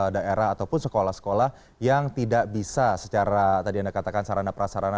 daerah ataupun sekolah sekolah yang tidak bisa secara tadi anda katakan sarana prasarana